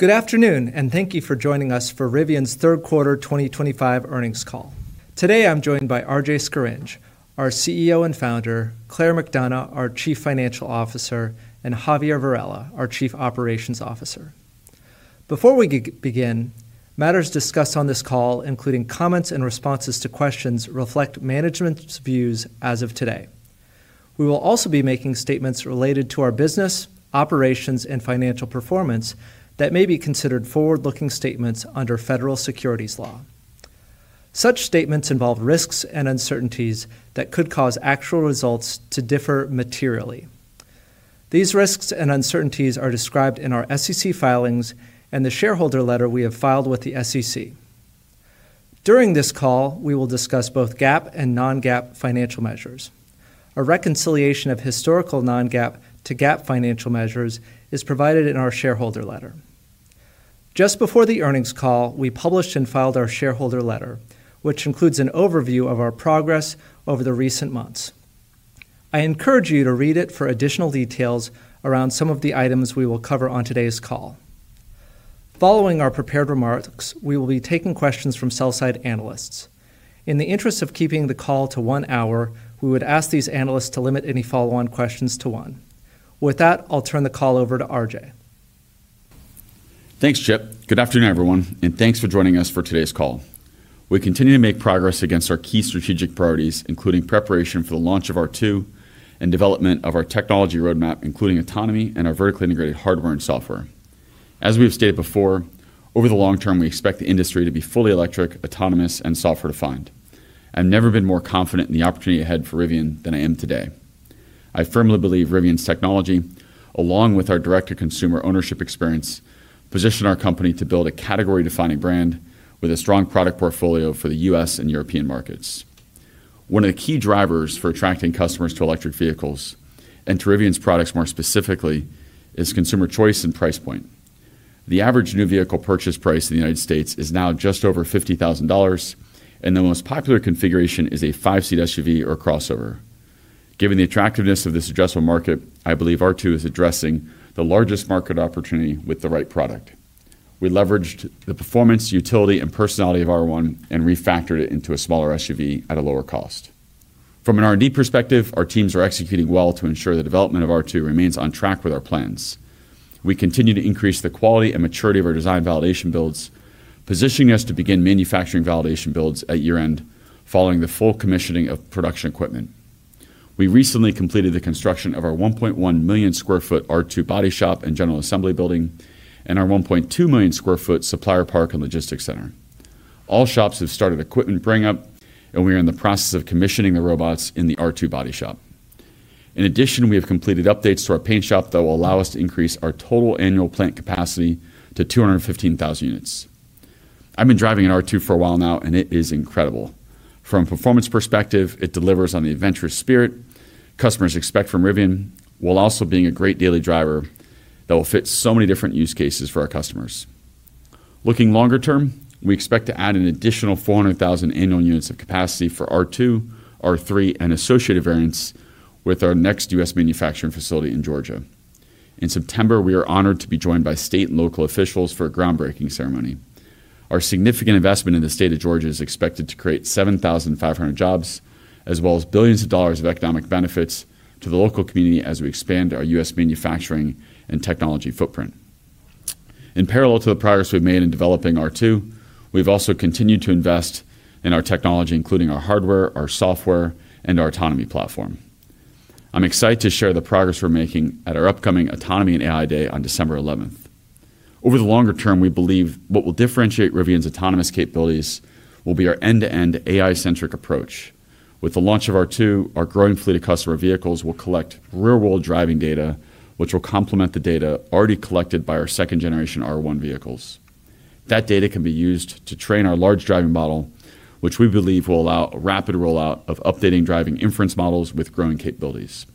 Good afternoon, and thank you for joining us for Rivian's third quarter 2025 earnings call. Today I'm joined by RJ Scaringe, our CEO and founder, Claire McDonough, our Chief Financial Officer, and Javier Varela, our Chief Operating Officer. Before we begin, matters discussed on this call, including comments and responses to questions, reflect management's views as of today. We will also be making statements related to our business, operations, and financial performance that may be considered forward-looking statements under federal securities law. Such statements involve risks and uncertainties that could cause actual results to differ materially. These risks and uncertainties are described in our SEC filings and the shareholder letter we have filed with the SEC. During this call, we will discuss both GAAP and non-GAAP financial measures. A reconciliation of historical non-GAAP to GAAP financial measures is provided in our shareholder letter. Just before the earnings call, we published and filed our shareholder letter, which includes an overview of our progress over the recent months. I encourage you to read it for additional details around some of the items we will cover on today's call. Following our prepared remarks, we will be taking questions from sell-side analysts. In the interest of keeping the call to one hour, we would ask these analysts to limit any follow-on questions to one. With that, I'll turn the call over to RJ. Thanks, Jiten. Good afternoon, everyone, and thanks for joining us for today's call. We continue to make progress against our key strategic priorities, including preparation for the launch of R2 and development of our technology roadmap, including autonomy and our vertically integrated hardware and software. As we've stated before, over the long term, we expect the industry to be fully electric, autonomous, and software-defined. I've never been more confident in the opportunity ahead for Rivian than I am today. I firmly believe Rivian's technology, along with our direct-to-consumer ownership experience, positions our company to build a category-defining brand with a strong product portfolio for the U.S. and European markets. One of the key drivers for attracting customers to electric vehicles, and to Rivian's products more specifically, is consumer choice and price point. The average new vehicle purchase price in the United States is now just over $50,000, and the most popular configuration is a five-seat SUV or crossover. Given the attractiveness of this addressable market, I believe R2 is addressing the largest market opportunity with the right product. We leveraged the performance, utility, and personality of R1 and refactored it into a smaller SUV at a lower cost. From an R&D perspective, our teams are executing well to ensure the development of R2 remains on track with our plans. We continue to increase the quality and maturity of our design validation builds, positioning us to begin manufacturing validation builds at year-end, following the full commissioning of production equipment. We recently completed the construction of our 1.1 million sq ft R2 body shop and general assembly building, and our 1.2 million sq ft supplier park and logistics center. All shops have started equipment bring-up, and we are in the process of commissioning the robots in the R2 body shop. In addition, we have completed updates to our paint shop that will allow us to increase our total annual plant capacity to 215,000 units. I've been driving an R2 for a while now, and it is incredible. From a performance perspective, it delivers on the adventurous spirit customers expect from Rivian, while also being a great daily driver that will fit so many different use cases for our customers. Looking longer term, we expect to add an additional 400,000 annual units of capacity for R2, R3, and associated variants with our next U.S. manufacturing facility in Georgia. In September, we are honored to be joined by state and local officials for a groundbreaking ceremony. Our significant investment in the state of Georgia is expected to create 7,500 jobs, as well as billions of dollars of economic benefits to the local community as we expand our U.S. manufacturing and technology footprint. In parallel to the progress we've made in developing R2, we've also continued to invest in our technology, including our hardware, our software, and our autonomy platform. I'm excited to share the progress we're making at our upcoming Autonomy and AI Day on December 11th. Over the longer term, we believe what will differentiate Rivian's autonomous capabilities will be our end-to-end AI-centric approach. With the launch of R2, our growing fleet of customer vehicles will collect real-world driving data, which will complement the data already collected by our second-generation R1 vehicles. That data can be used to train our large driving model, which we believe will allow a rapid rollout of updating driving inference models with growing capabilities.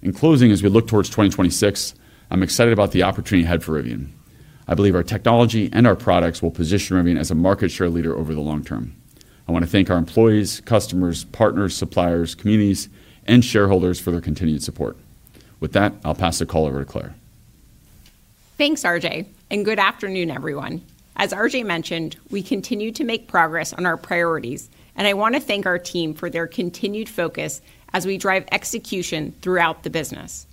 In closing, as we look towards 2026, I'm excited about the opportunity ahead for Rivian. I believe our technology and our products will position Rivian as a market share leader over the long term. I want to thank our employees, customers, partners, suppliers, communities, and shareholders for their continued support. With that, I'll pass the call over to Claire. Thanks, RJ, and good afternoon, everyone. As RJ mentioned, we continue to make progress on our priorities, and I want to thank our team for their continued focus as we drive execution throughout the business.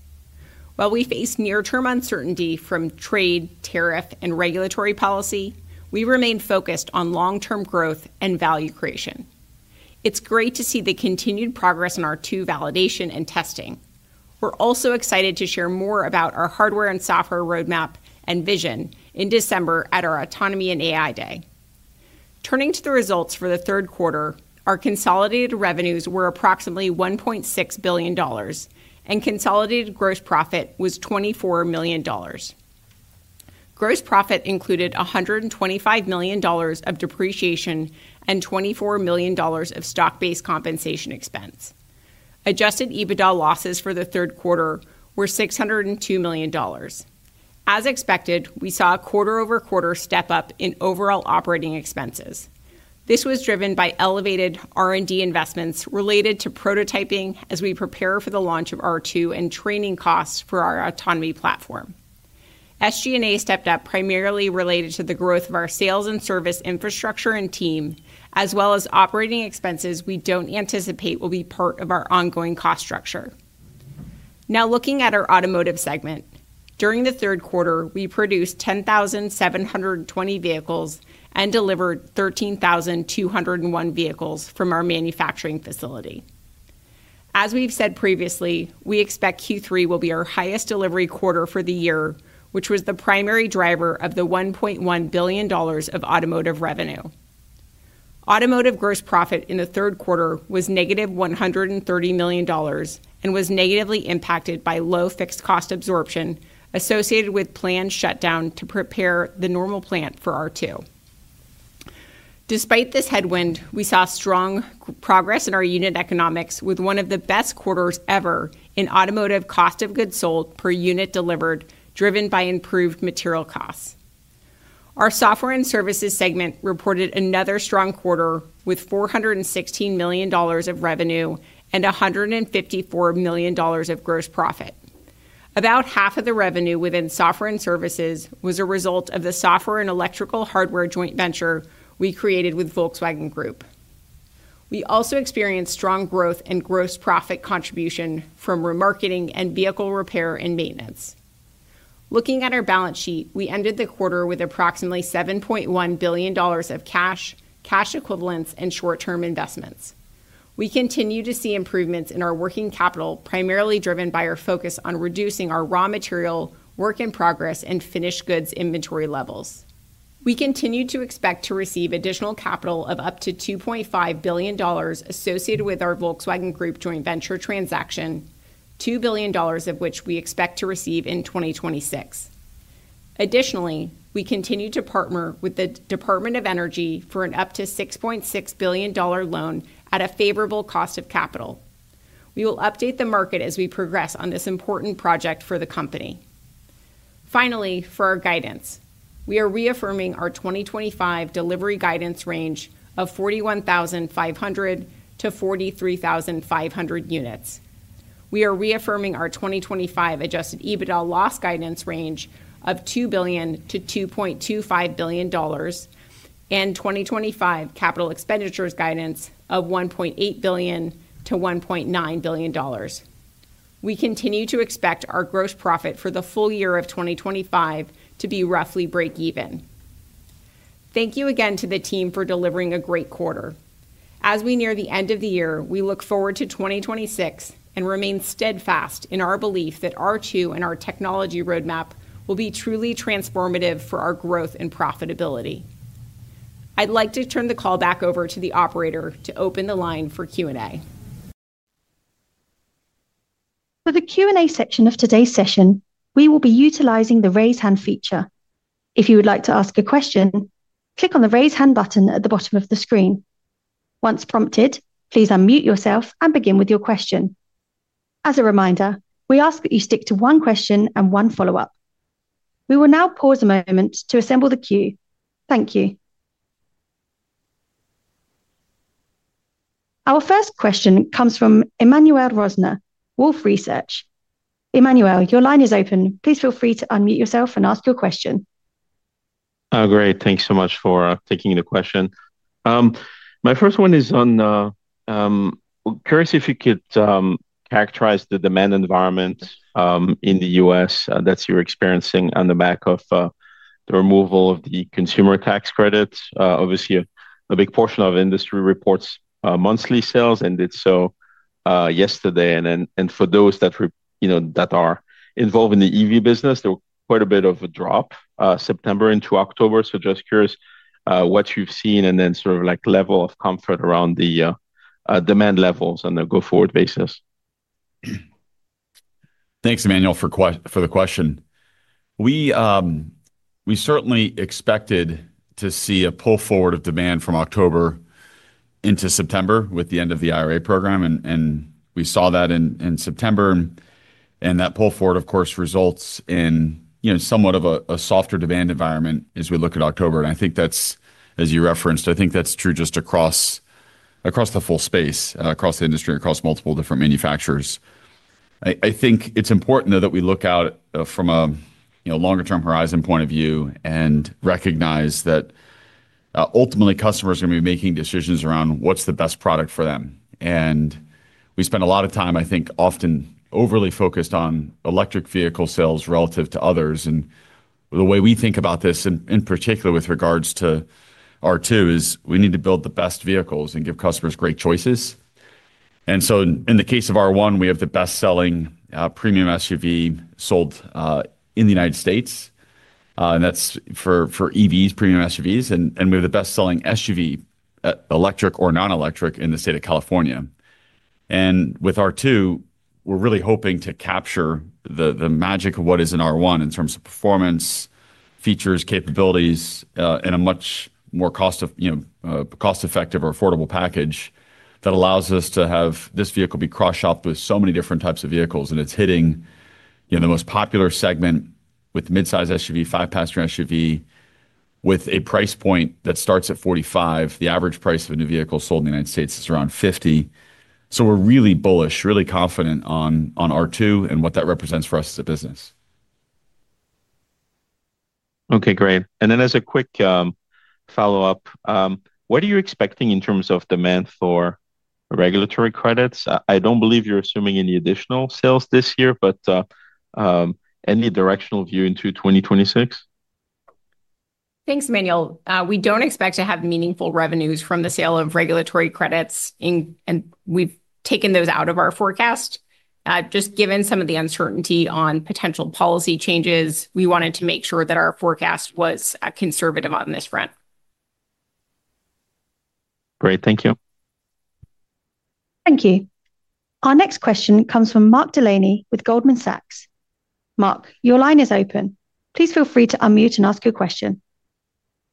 While we face near-term uncertainty from trade, tariff, and regulatory policy, we remain focused on long-term growth and value creation. It's great to see the continued progress in R2 validation and testing. We're also excited to share more about our hardware and software roadmap and vision in December at our Autonomy and AI Day. Turning to the results for the third quarter, our consolidated revenues were approximately $1.6 billion, and consolidated gross profit was $24 million. Gross profit included $125 million of depreciation and $24 million of stock-based compensation expense. Adjusted EBITDA losses for the third quarter were $602 million. As expected, we saw quarter-over-quarter step-up in overall operating expenses. This was driven by elevated R&D investments related to prototyping as we prepare for the launch of R2 and training costs for our autonomy platform. SG&A stepped up primarily related to the growth of our sales and service infrastructure and team, as well as operating expenses we don't anticipate will be part of our ongoing cost structure. Now, looking at our automotive segment, during the third quarter, we produced 10,720 vehicles and delivered 13,201 vehicles from our manufacturing facility. As we've said previously, we expect Q3 will be our highest delivery quarter for the year, which was the primary driver of the $1.1 billion of automotive revenue. Automotive gross profit in the third quarter was -$130 million and was negatively impacted by low fixed cost absorption associated with planned shutdown to prepare the Normal plant for R2. Despite this headwind, we saw strong progress in our unit economics with one of the best quarters ever in automotive cost of goods sold per unit delivered, driven by improved material costs. Our software and services segment reported another strong quarter with $416 million of revenue and $154 million of gross profit. About half of the revenue within software and services was a result of the software and electrical hardware joint venture we created with Volkswagen Group. We also experienced strong growth and gross profit contribution from remarketing and vehicle repair and maintenance. Looking at our balance sheet, we ended the quarter with approximately $7.1 billion of cash, cash equivalents, and short-term investments. We continue to see improvements in our working capital, primarily driven by our focus on reducing our raw material, work-in-progress, and finished goods inventory levels. We continue to expect to receive additional capital of up to $2.5 billion associated with our Volkswagen Group joint venture transaction, $2 billion of which we expect to receive in 2026. Additionally, we continue to partner with the Department of Energy for an up to $6.6 billion loan at a favorable cost of capital. We will update the market as we progress on this important project for the company. Finally, for our guidance, we are reaffirming our 2025 delivery guidance range of 41,500-43,500 units. We are reaffirming our 2025 Adjusted EBITDA loss guidance range of $2 billion-$2.25 billion. And 2025 capital expenditures guidance of $1.8 billion-$1.9 billion. We continue to expect our gross profit for the full year of 2025 to be roughly break-even. Thank you again to the team for delivering a great quarter. As we near the end of the year, we look forward to 2026 and remain steadfast in our belief that R2 and our technology roadmap will be truly transformative for our growth and profitability. I'd like to turn the call back over to the operator to open the line for Q&A. For the Q&A section of today's session, we will be utilizing the raise hand feature. If you would like to ask a question, click on the raise hand button at the bottom of the screen. Once prompted, please unmute yourself and begin with your question. As a reminder, we ask that you stick to one question and one follow-up. We will now pause a moment to assemble the queue. Thank you. Our first question comes from Emmanuel Rosner, Wolfe Research. Emmanuel, your line is open. Please feel free to unmute yourself and ask your question. Great. Thank you so much for taking the question. My first one is on. Curious if you could characterize the demand environment in the U.S. that you're experiencing on the back of the removal of the consumer tax credit. Obviously, a big portion of industry reports monthly sales, and did so yesterday. And for those that are involved in the EV business, there was quite a bit of a drop September into October. So just curious what you've seen and then sort of like level of comfort around the demand levels on a go-forward basis. Thanks, Emmanuel, for the question. We certainly expected to see a pull forward of demand from October into September with the end of the IRA program, and we saw that in September. And that pull forward, of course, results in somewhat of a softer demand environment as we look at October. And I think that's, as you referenced, I think that's true just across the full space, across the industry, across multiple different manufacturers. I think it's important, though, that we look out from a longer-term horizon point of view and recognize that ultimately, customers are going to be making decisions around what's the best product for them. And we spend a lot of time, I think, often overly focused on electric vehicle sales relative to others. And the way we think about this, in particular with regards to R2, is we need to build the best vehicles and give customers great choices. And so in the case of R1, we have the best-selling premium SUV sold in the United States, and that's for EVs, premium SUVs, and we have the best-selling SUV, electric or non-electric in the state of California. And with R2, we're really hoping to capture the magic of what is in R1 in terms of performance, features, capabilities, and a much more cost-effective or affordable package that allows us to have this vehicle be cross-shopped with so many different types of vehicles. And it's hitting the most popular segment with midsize SUV, five-passenger SUV, with a price point that starts at $45. The average price of a new vehicle sold in the United States is around $50. So we're really bullish, really confident on R2 and what that represents for us as a business. Okay, great. And then, as a quick follow-up, what are you expecting in terms of demand for regulatory credits? I don't believe you're assuming any additional sales this year, but any directional view into 2026? Thanks, Emmanuel. We don't expect to have meaningful revenues from the sale of regulatory credits, and we've taken those out of our forecast. Just given some of the uncertainty on potential policy changes, we wanted to make sure that our forecast was conservative on this front. Great, thank you. Thank you. Our next question comes from Mark Delaney with Goldman Sachs. Mark, your line is open. Please feel free to unmute and ask your question.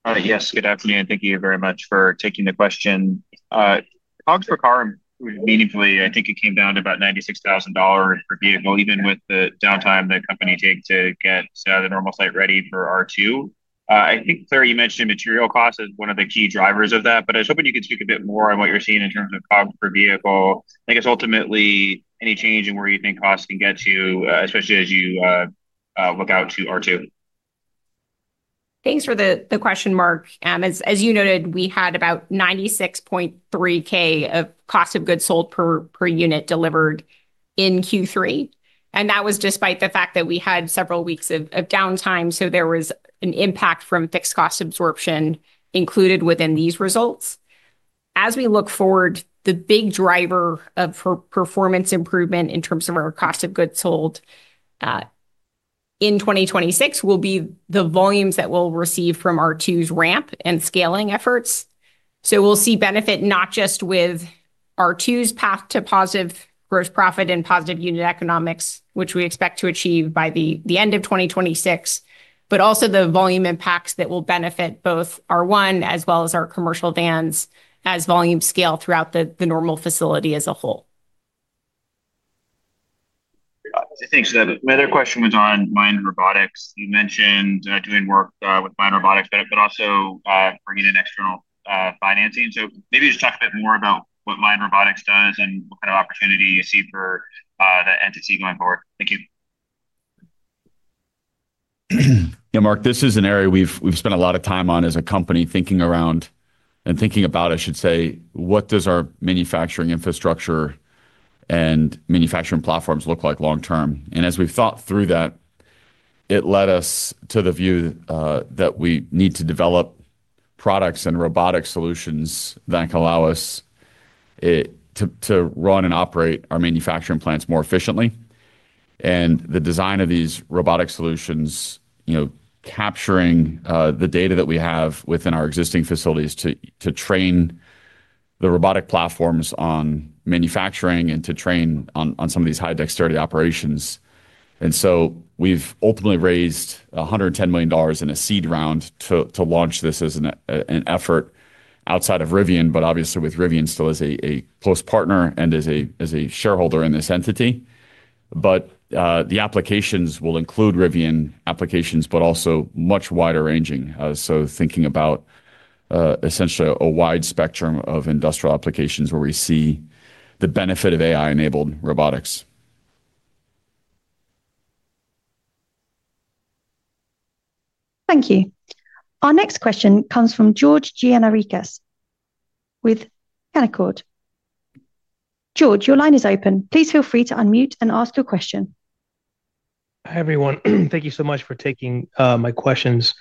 Yes, good afternoon. Thank you very much for taking the question. COGS for car, meaningfully, I think it came down to about $96,000 per vehicle, even with the downtime the company takes to get the Normal site ready for R2. I think, Claire, you mentioned material costs as one of the key drivers of that, but I was hoping you could speak a bit more on what you're seeing in terms of COGS per vehicle. I guess ultimately, any change in where you think costs can get to, especially as you look out to R2. Thanks for the question, Mark. As you noted, we had about $96.3 thousand of cost of goods sold per unit delivered in Q3. And that was despite the fact that we had several weeks of downtime, so there was an impact from fixed cost absorption included within these results. As we look forward, the big driver of performance improvement in terms of our cost of goods sold in 2026 will be the volumes that we'll receive from R2's ramp and scaling efforts. So we'll see benefit not just with R2's path to positive gross profit and positive unit economics, which we expect to achieve by the end of 2026, but also the volume impacts that will benefit both R1 as well as our commercial vans as volumes scale throughout the Normal facility as a whole. Thanks, Emmanuel. My other question was on Mind Robotics. You mentioned doing work with Mind Robotics, but also bringing in external financing. So maybe just talk a bit more about what Mind Robotics does and what kind of opportunity you see for the entity going forward. Thank you. Yeah, Mark, this is an area we've spent a lot of time on as a company thinking around. And thinking about, I should say, what does our manufacturing infrastructure and manufacturing platforms look like long-term? And as we've thought through that, it led us to the view that we need to develop products and robotic solutions that can allow us to run and operate our manufacturing plants more efficiently. And the design of these robotic solutions, capturing the data that we have within our existing facilities to train the robotic platforms on manufacturing and to train on some of these high dexterity operations. And so we've ultimately raised $110 million in a seed round to launch this as an effort outside of Rivian, but obviously with Rivian still as a close partner and as a shareholder in this entity. But the applications will include Rivian applications, but also much wider ranging. So thinking about essentially a wide spectrum of industrial applications where we see the benefit of AI-enabled robotics. Thank you. Our next question comes from George Gianarikas with Canaccord. George, your line is open. Please feel free to unmute and ask your question. Hi everyone. Thank you so much for taking my questions.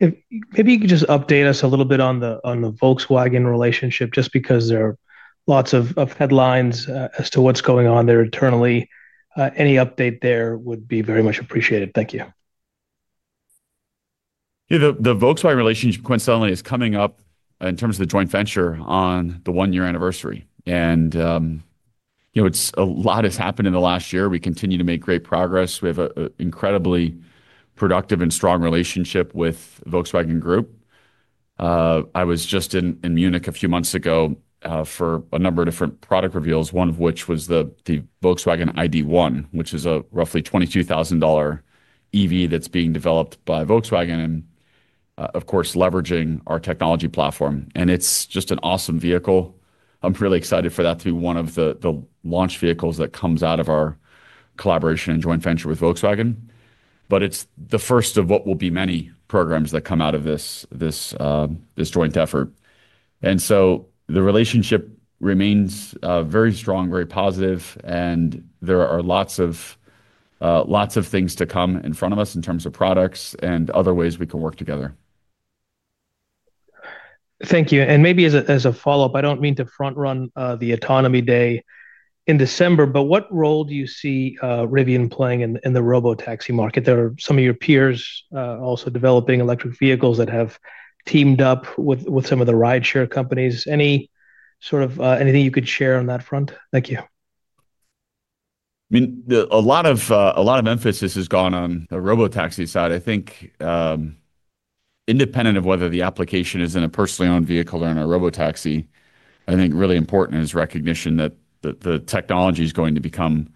Maybe you could just update us a little bit on the Volkswagen relationship, just because there are lots of headlines as to what's going on there internally. Any update there would be very much appreciated. Thank you. The Volkswagen relationship, coincidentally, is coming up in terms of the joint venture on the one-year anniversary. A lot has happened in the last year. We continue to make great progress. We have an incredibly productive and strong relationship with Volkswagen Group. I was just in Munich a few months ago for a number of different product reveals, one of which was the Volkswagen ID.1, which is a roughly $22,000 EV that's being developed by Volkswagen, and of course, leveraging our technology platform, and it's just an awesome vehicle. I'm really excited for that to be one of the launch vehicles that comes out of our collaboration and joint venture with Volkswagen, but it's the first of what will be many programs that come out of this joint effort, and so the relationship remains very strong, very positive, and there are lots of things to come in front of us in terms of products and other ways we can work together. Thank you. And maybe as a follow-up, I don't mean to front-run the autonomy day in December, but what role do you see Rivian playing in the robotaxi market? There are some of your peers also developing electric vehicles that have teamed up with some of the rideshare companies. Any sort of anything you could share on that front? Thank you. I mean, a lot of emphasis has gone on the robotaxi side. I think. Independent of whether the application is in a personally owned vehicle or in a robotaxi, I think really important is recognition that the technology is going to become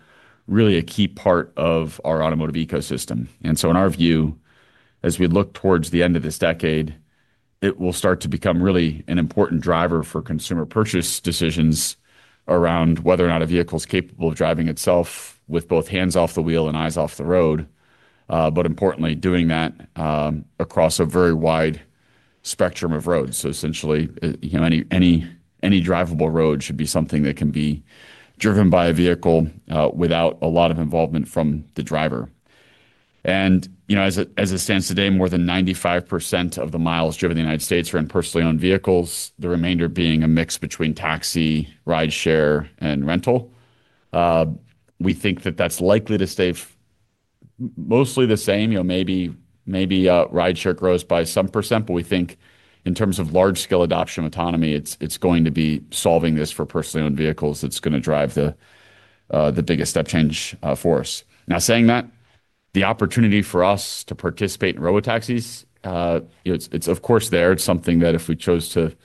really a key part of our automotive ecosystem. And so in our view, as we look towards the end of this decade, it will start to become really an important driver for consumer purchase decisions around whether or not a vehicle is capable of driving itself with both hands off the wheel and eyes off the road, but importantly, doing that across a very wide spectrum of roads. So essentially, any drivable road should be something that can be driven by a vehicle without a lot of involvement from the driver. And as it stands today, more than 95% of the miles driven in the United States are in personally owned vehicles, the remainder being a mix between taxi, rideshare, and rental. We think that that's likely to stay mostly the same. Maybe rideshare grows by some percent, but we think in terms of large-scale adoption of autonomy, it's going to be solving this for personally owned vehicles that's going to drive the biggest step change for us. Now, saying that, the opportunity for us to participate in robotaxis is of course there. It's something that if we chose to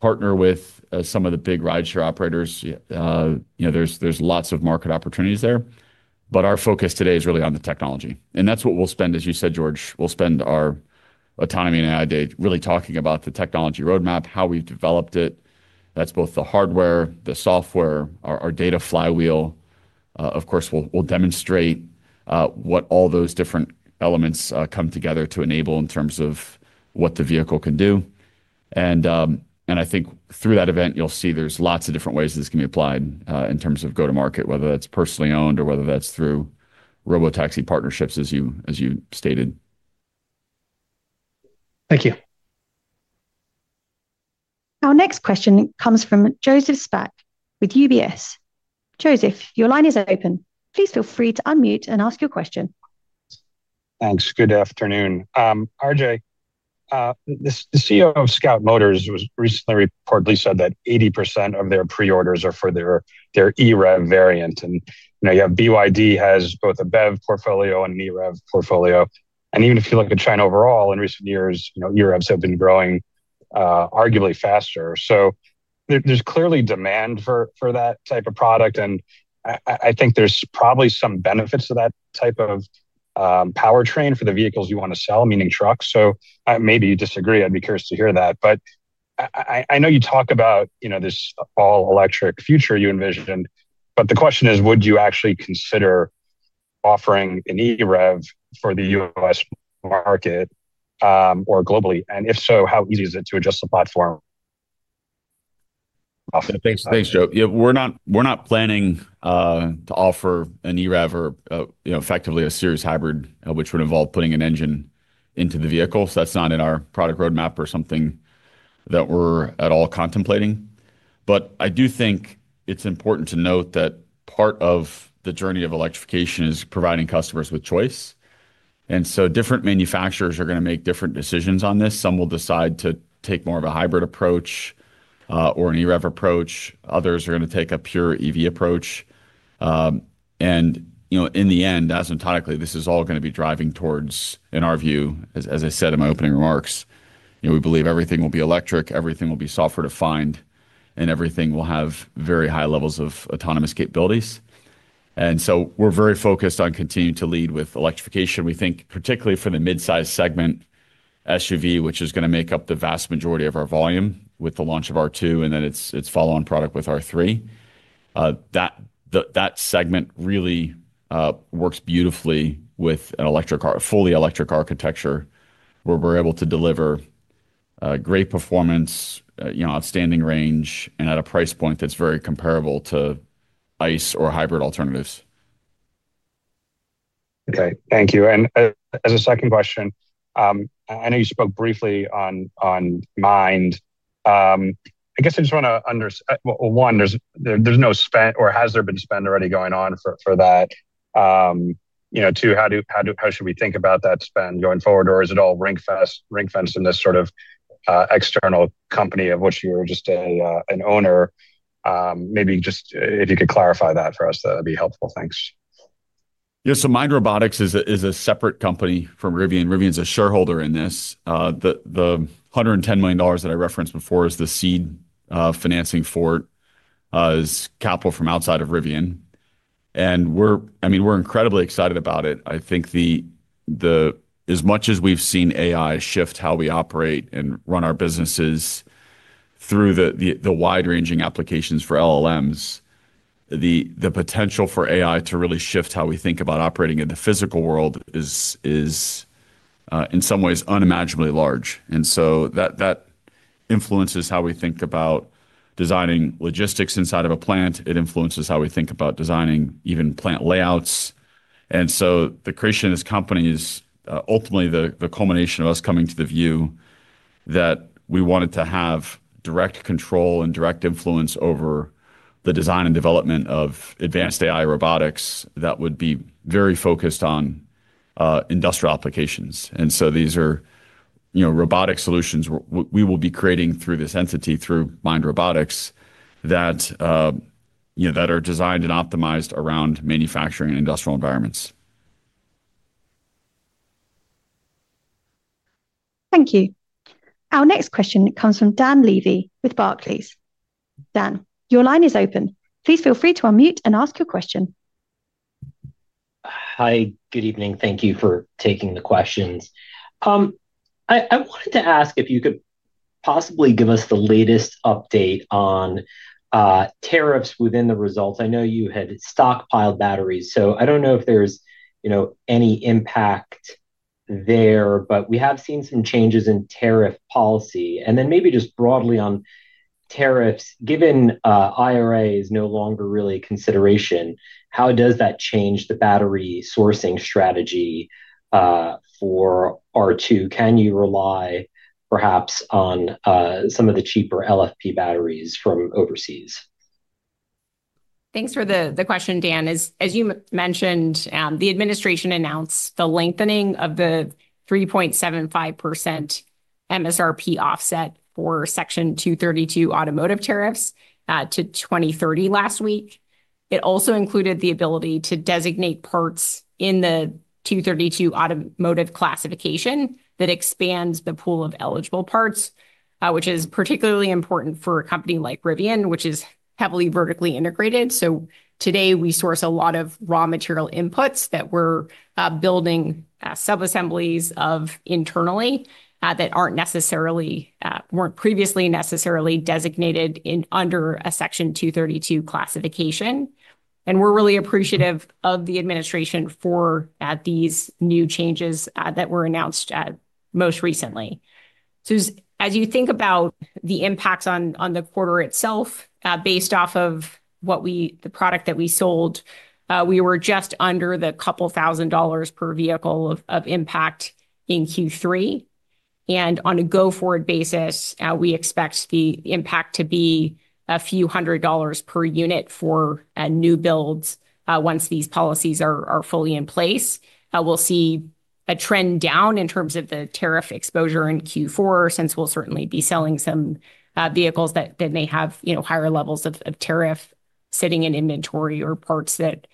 partner with some of the big rideshare operators, there's lots of market opportunities there. But our focus today is really on the technology. And that's what we'll spend, as you said, George, our autonomy and AI day really talking about the technology roadmap, how we've developed it. That's both the hardware, the software, our data flywheel. Of course, we'll demonstrate what all those different elements come together to enable in terms of what the vehicle can do. And I think through that event, you'll see there's lots of different ways this can be applied in terms of go-to-market, whether that's personally owned or whether that's through robotaxi partnerships, as you stated. Thank you. Our next question comes from Joseph Spak with UBS. Joseph, your line is open. Please feel free to unmute and ask your question. Thanks. Good afternoon, RJ. The CEO of Scout Motors recently reportedly said that 80% of their pre-orders are for their eRev variant. And BYD has both a BEV portfolio and an eRev portfolio. And even if you look at China overall, in recent years, eRevs have been growing arguably faster. So there's clearly demand for that type of product. And I think there's probably some benefits to that type of powertrain for the vehicles you want to sell, meaning trucks. So maybe you disagree. I'd be curious to hear that. But I know you talk about this all-electric future you envisioned, but the question is, would you actually consider offering an eRev for the U.S. market or globally? And if so, how easy is it to adjust the platform? Thanks, Joe. We're not planning to offer an eRev or effectively a series hybrid, which would involve putting an engine into the vehicle. So that's not in our product roadmap or something that we're at all contemplating. But I do think it's important to note that part of the journey of electrification is providing customers with choice. And so different manufacturers are going to make different decisions on this. Some will decide to take more of a hybrid approach or an eRev approach. Others are going to take a pure EV approach. And in the end, asymptotically, this is all going to be driving towards, in our view, as I said in my opening remarks, we believe everything will be electric, everything will be software-defined, and everything will have very high levels of autonomous capabilities. And so we're very focused on continuing to lead with electrification. We think particularly for the midsize segment SUV, which is going to make up the vast majority of our volume with the launch of R2 and then its follow-on product with R3. That segment really works beautifully with a fully electric architecture where we're able to deliver great performance, outstanding range, and at a price point that's very comparable to ICE or hybrid alternatives. Okay, thank you. And as a second question, I know you spoke briefly on Mind. I guess I just want to. One, there's no spend or has there been spend already going on for that? Two, how should we think about that spend going forward? Or is it all ring-fenced in this sort of external company of which you're just an owner? Maybe just if you could clarify that for us, that would be helpful. Thanks. Yeah, so Mind Robotics is a separate company from Rivian. Rivian is a shareholder in this. The $110 million that I referenced before is the seed financing for it is capital from outside of Rivian, and I mean, we're incredibly excited about it. I think. As much as we've seen AI shift how we operate and run our businesses. Through the wide-ranging applications for LLMs. The potential for AI to really shift how we think about operating in the physical world is in some ways unimaginably large, and so that influences how we think about designing logistics inside of a plant. It influences how we think about designing even plant layouts, and so the creation of this company is ultimately the culmination of us coming to the view that we wanted to have direct control and direct influence over the design and development of advanced AI robotics that would be very focused on industrial applications, and so these are robotic solutions we will be creating through this entity, through Mind Robotics, that are designed and optimized around manufacturing and industrial environments. Thank you. Our next question comes from Dan Levy with Barclays. Dan, your line is open. Please feel free to unmute and ask your question. Hi, good evening. Thank you for taking the questions. I wanted to ask if you could possibly give us the latest update on tariffs within the results. I know you had stockpiled batteries, so I don't know if there's any impact there, but we have seen some changes in tariff policy. And then maybe just broadly on tariffs, given IRA is no longer really a consideration, how does that change the battery sourcing strategy for R2? Can you rely perhaps on some of the cheaper LFP batteries from overseas? Thanks for the question, Dan. As you mentioned, the administration announced the lengthening of the 3.75% MSRP offset for Section 232 automotive tariffs to 2030 last week. It also included the ability to designate parts in the 232 automotive classification that expands the pool of eligible parts, which is particularly important for a company like Rivian, which is heavily vertically integrated, so today, we source a lot of raw material inputs that we're building sub-assemblies of internally that weren't previously necessarily designated under a Section 232 classification, and we're really appreciative of the administration for these new changes that were announced most recently. So as you think about the impacts on the quarter itself, based off of the product that we sold, we were just under $2,000 per vehicle of impact in Q3, and on a go-forward basis, we expect the impact to be a few hundred dollars per unit for new builds once these policies are fully in place. We'll see a trend down in terms of the tariff exposure in Q4, since we'll certainly be selling some vehicles that may have higher levels of tariff sitting in inventory or parts that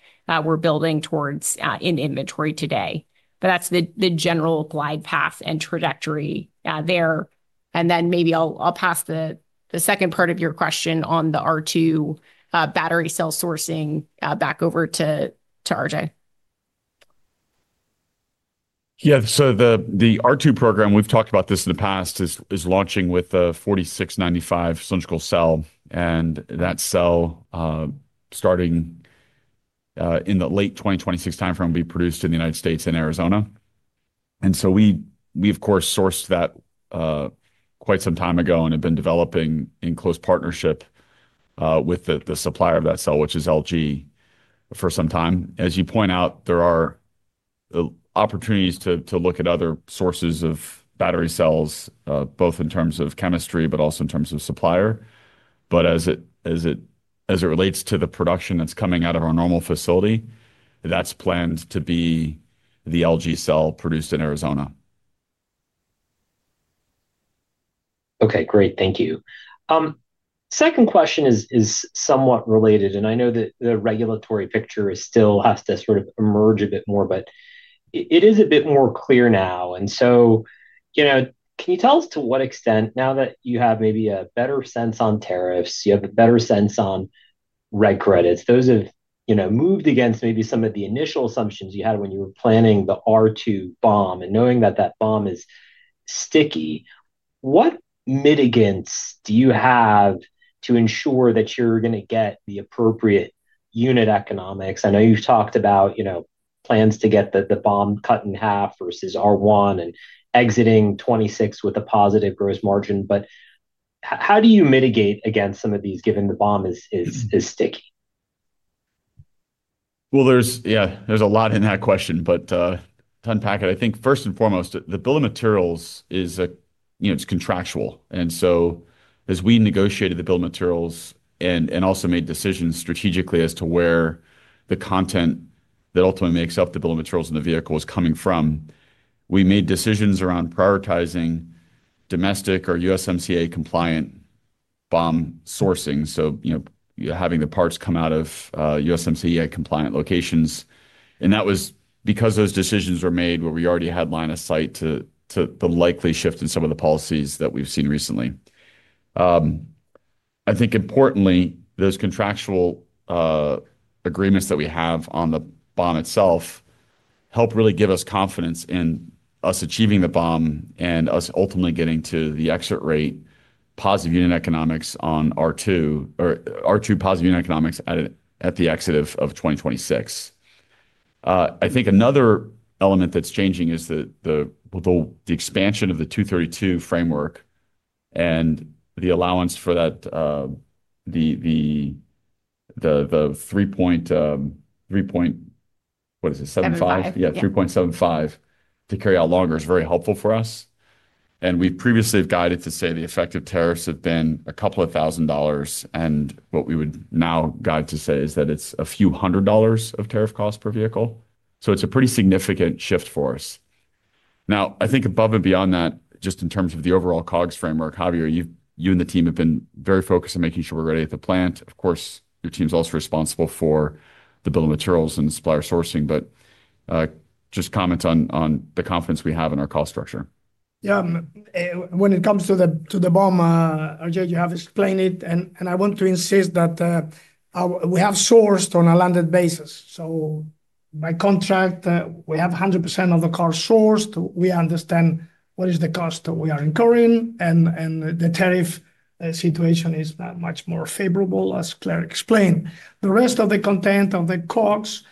we're building towards in inventory today, but that's the general glide path and trajectory there, and then maybe I'll pass the second part of your question on the R2 battery cell sourcing back over to RJ. Yeah, so the R2 program, we've talked about this in the past, is launching with a 4695 cylindrical cell. And that cell, starting in the late 2026 timeframe, will be produced in the United States in Arizona. And so we, of course, sourced that quite some time ago and have been developing in close partnership with the supplier of that cell, which is LG, for some time. As you point out, there are opportunities to look at other sources of battery cells, both in terms of chemistry, but also in terms of supplier. But as it relates to the production that's coming out of our Normal facility, that's planned to be the LG cell produced in Arizona. Okay, great. Thank you. Second question is somewhat related, and I know that the regulatory picture still has to sort of emerge a bit more, but it is a bit more clear now. And so. Can you tell us to what extent, now that you have maybe a better sense on tariffs, you have a better sense on IRA credits, those have moved against maybe some of the initial assumptions you had when you were planning the R2 BOM. And knowing that that BOM is sticky, what mitigants do you have to ensure that you're going to get the appropriate unit economics? I know you've talked about plans to get the BOM cut in half versus R1 and exiting 2026 with a positive gross margin, but how do you mitigate against some of these, given the BOM is sticky? Well, yeah, there's a lot in that question, but to unpack it, I think first and foremost, the bill of materials is contractual. And so as we negotiated the bill of materials and also made decisions strategically as to where the content that ultimately makes up the bill of materials in the vehicle is coming from. We made decisions around prioritizing domestic or USMCA-compliant BOM sourcing, so having the parts come out of USMCA-compliant locations. And that was because those decisions were made where we already had line of sight to the likely shift in some of the policies that we've seen recently. I think importantly, those contractual agreements that we have on the BOM itself help really give us confidence in us achieving the BOM and us ultimately getting to the exit rate positive unit economics on R2. Positive unit economics at the exit of 2026. I think another element that's changing is the expansion of the 232 framework. And the allowance for the 3.75%. 75. Yeah, 3.75 to carry out longer is very helpful for us. And we've previously guided to say the effective tariffs have been a couple of thousand dollars. And what we would now guide to say is that it's a few hundred dollars of tariff cost per vehicle. So it's a pretty significant shift for us. Now, I think above and beyond that, just in terms of the overall COGS framework, Javier, you and the team have been very focused on making sure we're ready at the plant. Of course, your team's also responsible for the bill of materials and supplier sourcing, but. Just comment on the confidence we have in our cost structure. Yeah. When it comes to the BOM, RJ, you have explained it, and I want to insist that. We have sourced on a landed basis. So by contract, we have 100% of the car sourced. We understand what is the cost that we are incurring, and the tariff situation is much more favorable, as Claire explained. The rest of the content of the COGS,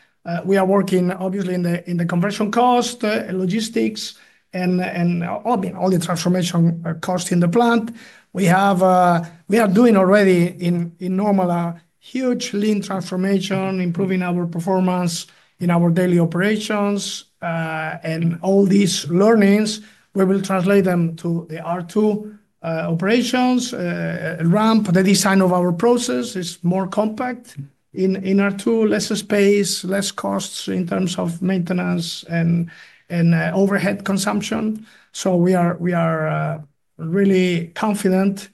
we are working obviously in the conversion cost, logistics, and all the transformation cost in the plant. We are doing already in Normal a huge lean transformation, improving our performance in our daily operations, and all these learnings, we will translate them to the R2 operations ramp, the design of our process is more compact in R2, less space, less costs in terms of maintenance and overhead consumption. So we are really confident,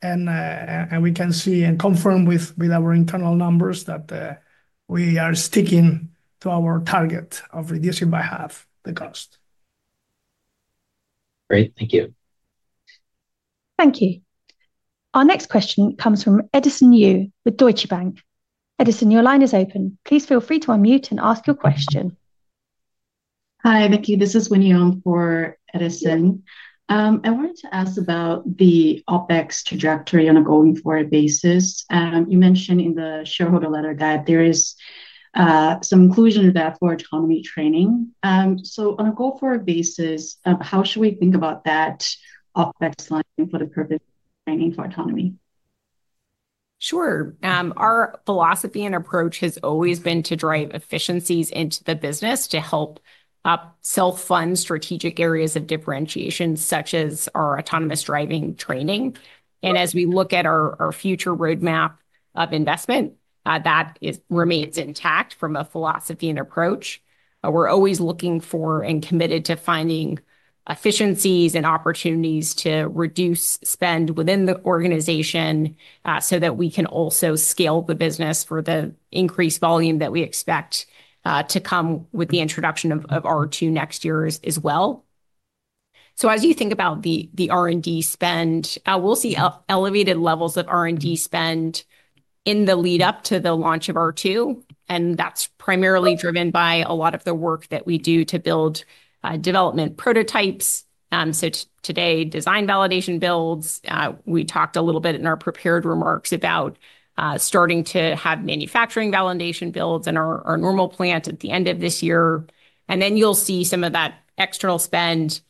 and we can see and confirm with our internal numbers that we are sticking to our target of reducing by half the cost. Great. Thank you. Thank you. Our next question comes from Edison Yu with Deutsche Bank. Edison, your line is open. Please feel free to unmute and ask your question. Hi, Vicky. This is Winnie Dong for Edison. I wanted to ask about the OpEx trajectory on a go-forward basis. You mentioned in the shareholder letter guide, there is some inclusion of that for autonomy training. So on a go-forward basis, how should we think about that OpEx line for the purpose of training for autonomy? Sure. Our philosophy and approach has always been to drive efficiencies into the business to help self-fund strategic areas of differentiation, such as our autonomous driving training. And as we look at our future roadmap of investment, that remains intact from a philosophy and approach. We're always looking for and committed to finding efficiencies and opportunities to reduce spend within the organization so that we can also scale the business for the increased volume that we expect to come with the introduction of R2 next year as well. So as you think about the R&D spend, we'll see elevated levels of R&D spend in the lead-up to the launch of R2. And that's primarily driven by a lot of the work that we do to build development prototypes. So today, design validation builds. We talked a little bit in our prepared remarks about starting to have manufacturing validation builds in our Normal plant at the end of this year. And then you'll see some of that external spend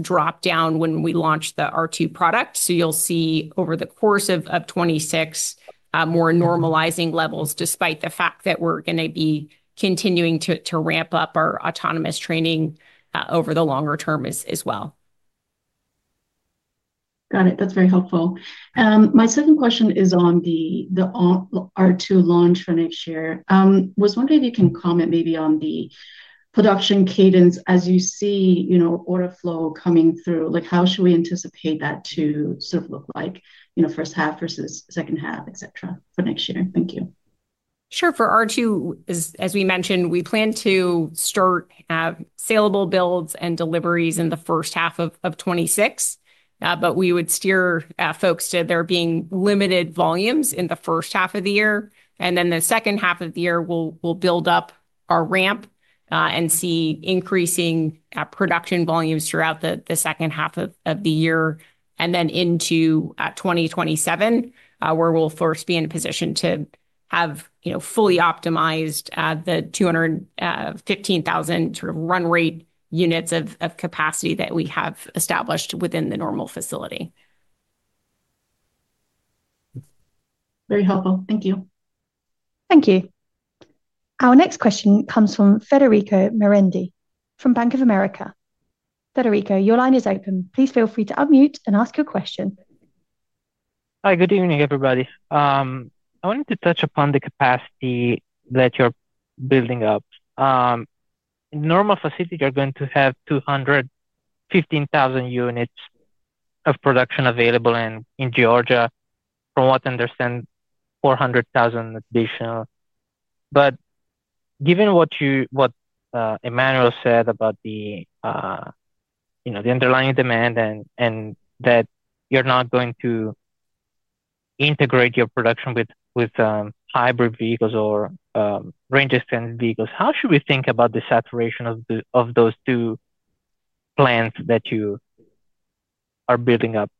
drop down when we launch the R2 product. So you'll see over the course of 2026 more normalizing levels, despite the fact that we're going to be continuing to ramp up our autonomous training over the longer term as well. Got it. That's very helpful. My second question is on the R2 launch for next year. I was wondering if you can comment maybe on the production cadence as you see order flow coming through. How should we anticipate that to sort of look like, first half versus second half, et cetera, for next year? Thank you. Sure. For R2, as we mentioned, we plan to start salable builds and deliveries in the first half of 2026, but we would steer folks to there being limited volumes in the first half of the year, and then the second half of the year, we'll build up our ramp and see increasing production volumes throughout the second half of the year, and then into 2027, where we'll first be in a position to have fully optimized the 215,000 sort of run rate units of capacity that we have established within the Normal facility. Very helpful. Thank you. Thank you. Our next question comes from Federico Merendi from Bank of America. Federico, your line is open. Please feel free to unmute and ask your question. Hi, good evening, everybody. I wanted to touch upon the capacity that you're building up. In Normal facility, you're going to have 215,000 units of production available in Georgia. From what I understand, 400,000 additional. But given what Emmanuel said about the underlying demand and that you're not going to integrate your production with hybrid vehicles or range-expanded vehicles, how should we think about the saturation of those two plants that you are building up?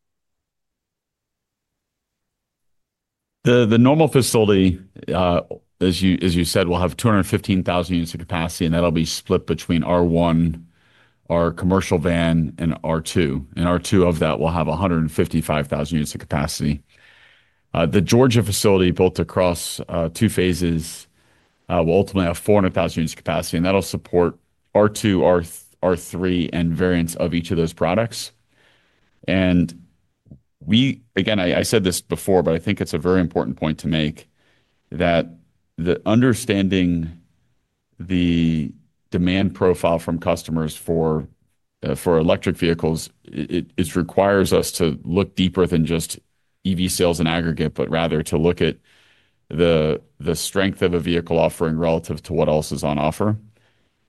The Normal facility, as you said, will have 215,000 units of capacity, and that'll be split between R1, our commercial van, and R2. And R2 of that will have 155,000 units of capacity. The Georgia facility, built across two phases, will ultimately have 400,000 units of capacity, and that'll support R2, R3, and variants of each of those products. And again, I said this before, but I think it's a very important point to make that understanding the demand profile from customers for electric vehicles requires us to look deeper than just EV sales in aggregate, but rather to look at the strength of a vehicle offering relative to what else is on offer.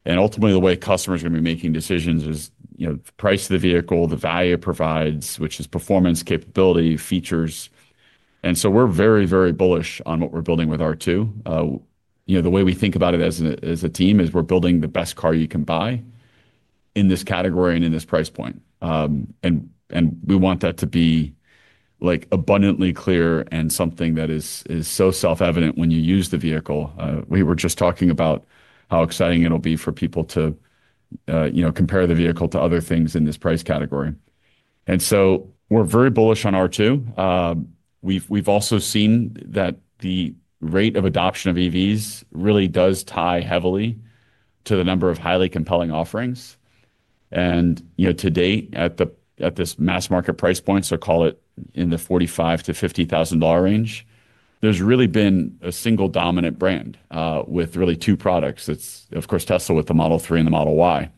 And ultimately, the way customers are going to be making decisions is the price of the vehicle, the value it provides, which is performance, capability, features. And so we're very, very bullish on what we're building with R2. The way we think about it as a team is we're building the best car you can buy in this category and in this price point. And we want that to be abundantly clear and something that is so self-evident when you use the vehicle. We were just talking about how exciting it'll be for people to compare the vehicle to other things in this price category. And so we're very bullish on R2. We've also seen that the rate of adoption of EVs really does tie heavily to the number of highly compelling offerings. And to date, at this mass market price point, so call it in the $45,000-$50,000 range, there's really been a single dominant brand with really two products. It's, of course, Tesla with the Model 3 and the Model Y.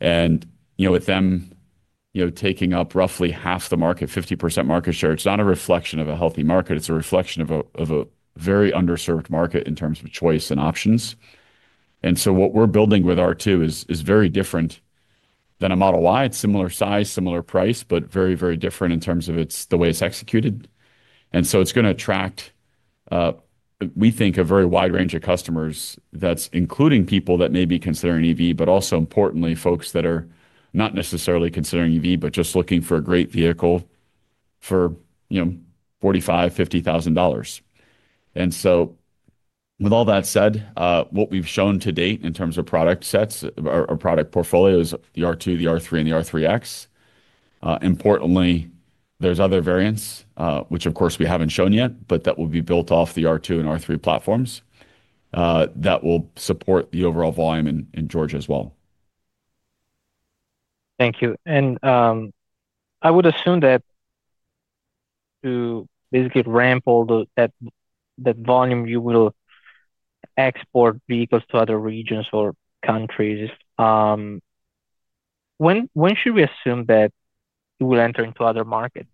And with them taking up roughly half the market, 50% market share, it's not a reflection of a healthy market. It's a reflection of a very underserved market in terms of choice and options. And so what we're building with R2 is very different than a Model Y. It's similar size, similar price, but very, very different in terms of the way it's executed. And so it's going to attract, we think, a very wide range of customers that's including people that may be considering EV, but also, importantly, folks that are not necessarily considering EV, but just looking for a great vehicle for $45,000-$50,000. And so with all that said, what we've shown to date in terms of product sets or product portfolios is the R2, the R3, and the R3X. Importantly, there's other variants, which, of course, we haven't shown yet, but that will be built off the R2 and R3 platforms. That will support the overall volume in Georgia as well. Thank you. And I would assume that to basically ramp up that volume, you will export vehicles to other regions or countries. When should we assume that you will enter into other markets?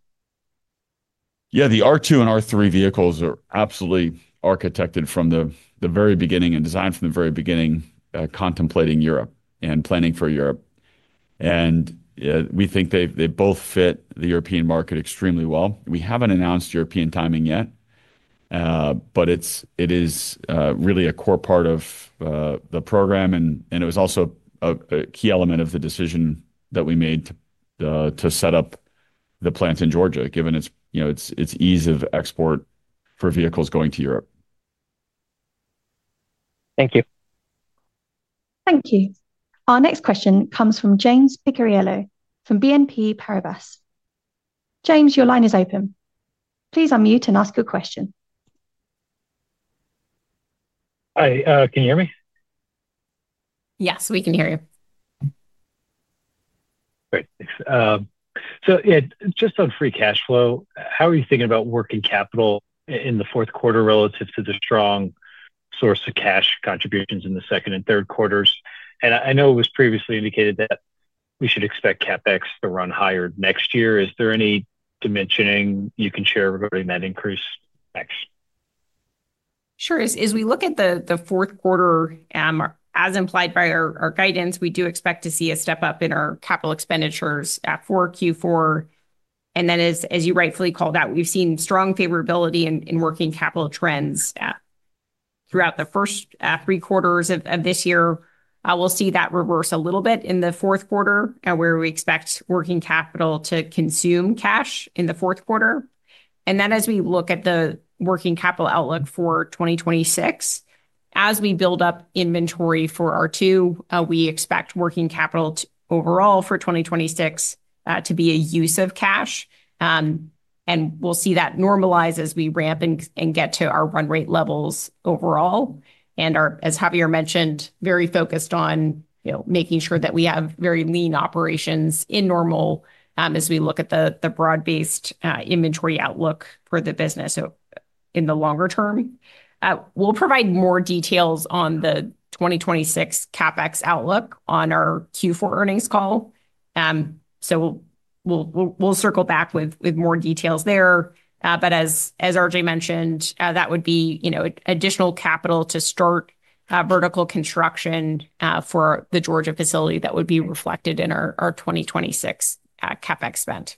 Yeah, the R2 and R3 vehicles are absolutely architected from the very beginning and designed from the very beginning, contemplating Europe and planning for Europe, and we think they both fit the European market extremely well. We haven't announced European timing yet, but it is really a core part of the program, and it was also a key element of the decision that we made to set up the plant in Georgia, given its ease of export for vehicles going to Europe. Thank you. Thank you. Our next question comes from James Picariello from BNP Paribas. James, your line is open. Please unmute and ask your question. Hi. Can you hear me? Yes, we can hear you. Great. So just on free cash flow, how are you thinking about working capital in the fourth quarter relative to the strong source of cash contributions in the second and third quarters? And I know it was previously indicated that we should expect CapEx to run higher next year. Is there any dimensioning you can share regarding that increase next? Sure. As we look at the fourth quarter, as implied by our guidance, we do expect to see a step up in our capital expenditures for Q4. And then, as you rightfully called out, we've seen strong favorability in working capital trends throughout the first three quarters of this year. We'll see that reverse a little bit in the fourth quarter, where we expect working capital to consume cash in the fourth quarter. And then, as we look at the working capital outlook for 2026, as we build up inventory for R2, we expect working capital overall for 2026 to be a use of cash. And we'll see that normalize as we ramp and get to our run rate levels overall. And as Javier mentioned, very focused on making sure that we have very lean operations in Normal as we look at the broad-based inventory outlook for the business. In the longer term, we'll provide more details on the 2026 CapEx outlook on our Q4 earnings call. So, we'll circle back with more details there. But as RJ mentioned, that would be additional capital to start vertical construction for the Georgia facility that would be reflected in our 2026 CapEx spend.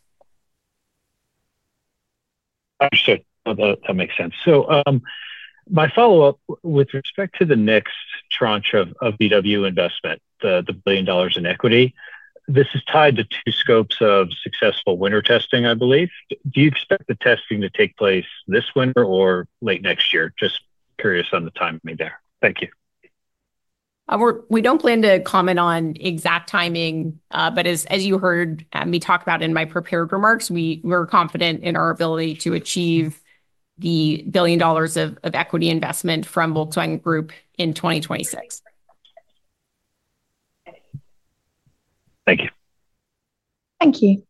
Understood. That makes sense. So. My follow-up with respect to the next tranche of VW investment, the $1 billion in equity, this is tied to two scopes of successful winter testing, I believe. Do you expect the testing to take place this winter or late next year? Just curious on the timing there. Thank you. We don't plan to comment on exact timing, but as you heard me talk about in my prepared remarks, we're confident in our ability to achieve $1 billion of equity investment from Volkswagen Group in 2026. Thank you. Thank you.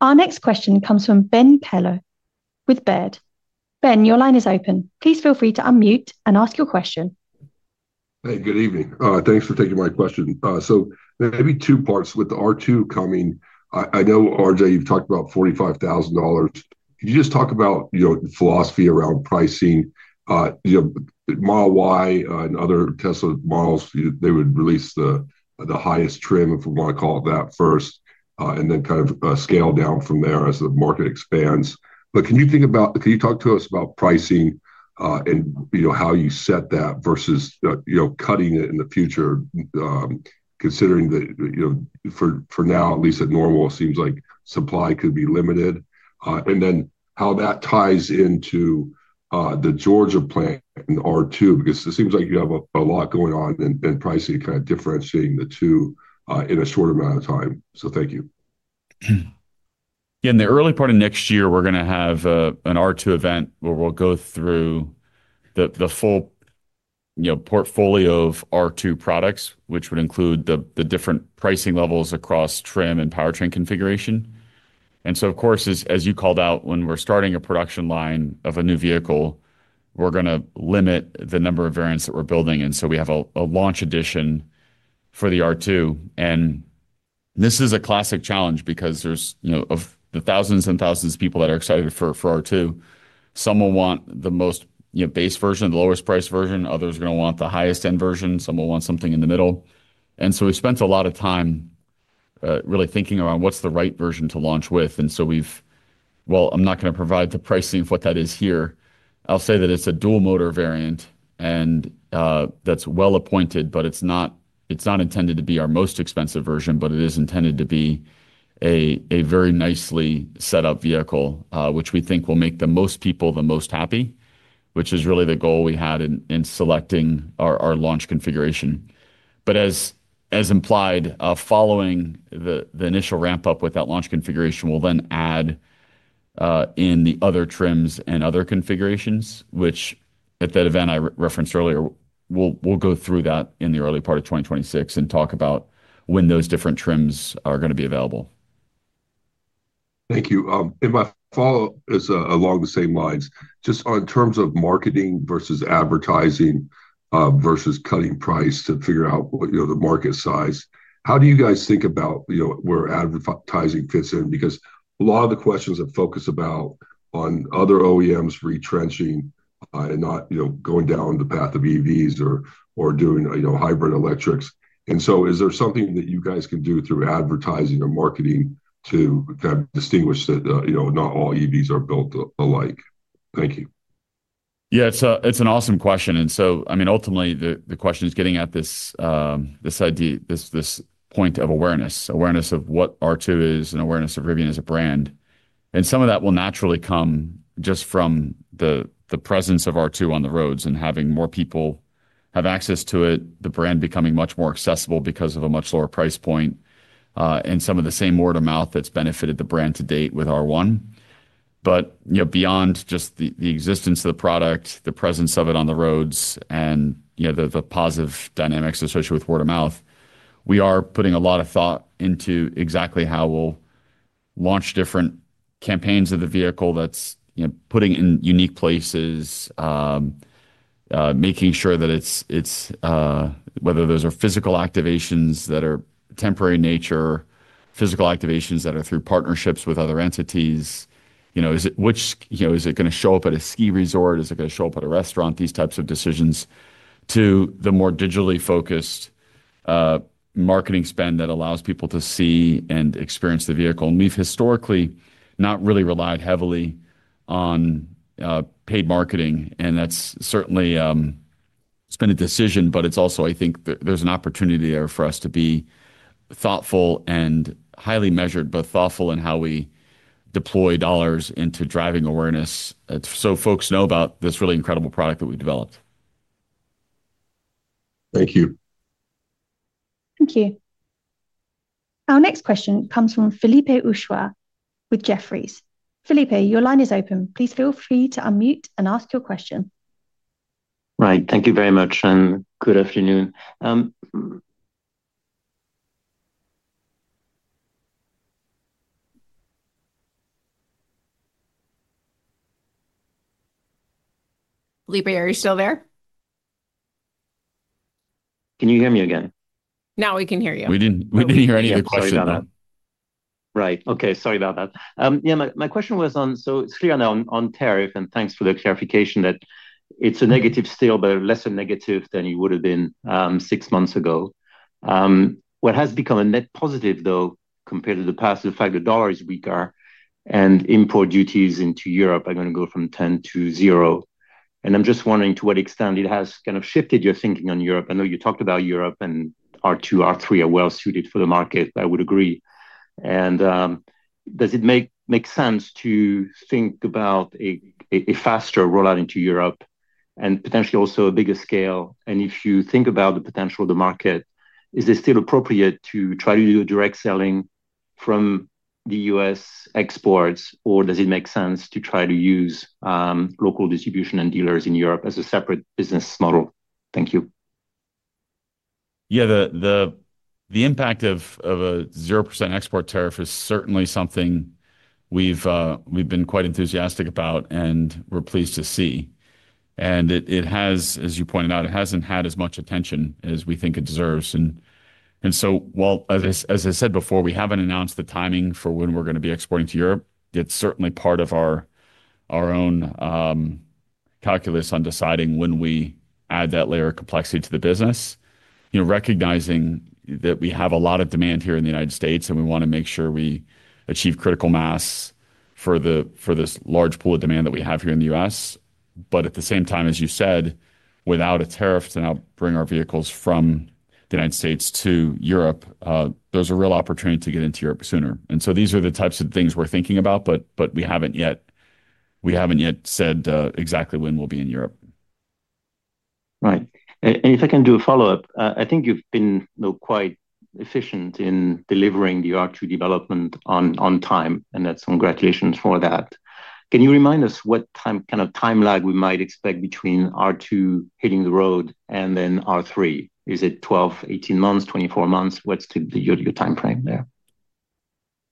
Our next question comes from Ben Kallo with Baird. Ben, your line is open. Please feel free to unmute and ask your question. Hey, good evening. Thanks for taking my question. So there may be two parts with the R2 coming. I know, RJ, you've talked about $45,000. Could you just talk about the philosophy around pricing? Model Y and other Tesla models, they would release the highest trim, if we want to call it that, first, and then kind of scale down from there as the market expands. But can you think about, can you talk to us about pricing. And how you set that versus cutting it in the future. Considering that. For now, at least at Normal, it seems like supply could be limited? And then how that ties into the Georgia plant and R2, because it seems like you have a lot going on in pricing, kind of differentiating the two in a shorter amount of time. So thank you. Yeah, in the early part of next year, we're going to have an R2 event where we'll go through the full portfolio of R2 products, which would include the different pricing levels across trim and powertrain configuration. And so, of course, as you called out, when we're starting a production line of a new vehicle, we're going to limit the number of variants that we're building. And so we have a launch edition for the R2. And this is a classic challenge because of the thousands and thousands of people that are excited for R2, some will want the most base version, the lowest price version. Others are going to want the highest-end version. Some will want something in the middle. And so we've spent a lot of time really thinking around what's the right version to launch with. And so we've, well, I'm not going to provide the pricing of what that is here. I'll say that it's a dual-motor variant, and that's well-appointed, but it's not intended to be our most expensive version, but it is intended to be a very nicely set up vehicle, which we think will make the most people the most happy, which is really the goal we had in selecting our launch configuration. But as implied, following the initial ramp-up with that launch configuration, we'll then add in the other trims and other configurations, which at that event I referenced earlier, we'll go through that in the early part of 2026 and talk about when those different trims are going to be available. Thank you, and my follow-up is along the same lines. Just in terms of marketing versus advertising versus cutting price to figure out the market size, how do you guys think about where advertising fits in? Because a lot of the questions have focused on other OEMs retrenching and not going down the path of EVs or doing hybrid electrics, and so is there something that you guys can do through advertising or marketing to kind of distinguish that not all EVs are built alike? Thank you. Yeah, it's an awesome question. And so, I mean, ultimately, the question is getting at this point of awareness, awareness of what R2 is and awareness of Rivian as a brand. And some of that will naturally come just from the presence of R2 on the roads and having more people have access to it, the brand becoming much more accessible because of a much lower price point. And some of the same word of mouth that's benefited the brand to date with R1. But beyond just the existence of the product, the presence of it on the roads, and the positive dynamics associated with word of mouth, we are putting a lot of thought into exactly how we'll launch different campaigns of the vehicle that's putting in unique places. Making sure that it's whether those are physical activations that are temporary in nature, physical activations that are through partnerships with other entities. Is it going to show up at a ski resort? Is it going to show up at a restaurant? These types of decisions to the more digitally focused marketing spend that allows people to see and experience the vehicle. And we've historically not really relied heavily on paid marketing. And that's certainly been a decision, but it's also, I think, there's an opportunity there for us to be thoughtful and highly measured, both thoughtful in how we deploy dollars into driving awareness so folks know about this really incredible product that we've developed. Thank you. Thank you. Our next question comes from Philippe Houchois with Jefferies. Philippe, your line is open. Please feel free to unmute and ask your question. Right. Thank you very much. And good afternoon. Philippe, are you still there? Can you hear me again? Now we can hear you. We didn't hear any of your questions on that. Right. Okay. Sorry about that. Yeah, my question was on, so it's clear on tariff, and thanks for the clarification that it's a negative still, but less negative than it would have been six months ago. What has become a net positive, though, compared to the past, the fact that dollars weaker and import duties into Europe are going to go from 10 to 0. And I'm just wondering to what extent it has kind of shifted your thinking on Europe. I know you talked about Europe and R2, R3 are well suited for the market. I would agree. And does it make sense to think about a faster rollout into Europe and potentially also a bigger scale? And if you think about the potential of the market, is it still appropriate to try to do direct selling from the U.S. exports, or does it make sense to try to use local distribution and dealers in Europe as a separate business model? Thank you. Yeah, the impact of a 0% export tariff is certainly something we've been quite enthusiastic about and we're pleased to see. And as you pointed out, it hasn't had as much attention as we think it deserves. And so, well, as I said before, we haven't announced the timing for when we're going to be exporting to Europe. It's certainly part of our own calculus on deciding when we add that layer of complexity to the business. Recognizing that we have a lot of demand here in the United States, and we want to make sure we achieve critical mass for this large pool of demand that we have here in the U.S. But at the same time, as you said, without a tariff to now bring our vehicles from the United States to Europe, there's a real opportunity to get into Europe sooner. And so these are the types of things we're thinking about, but we haven't yet said exactly when we'll be in Europe. Right. And if I can do a follow-up, I think you've been quite efficient in delivering the R2 development on time, and that's congratulations for that. Can you remind us what kind of time lag we might expect between R2 hitting the road and then R3? Is it 12, 18 months, 24 months? What's your timeframe there?